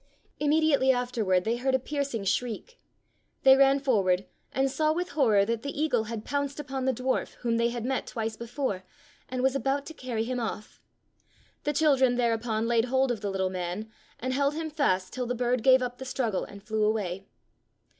Immediately after ward they heard a piercing shriek. They ran forward and saw with horror that the eagle had pounced upon the dwarf whom they had met twice before, and was about to carry him oflf. The children thereupon laid hold of the little man, and held him fast till the bird gave up the struggle and flew away.